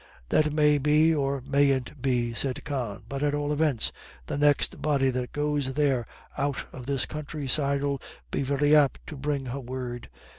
"That may be or mayn't be," said Con. "But at all evints the next body that goes there out of this countryside 'ill be very apt to bring her word.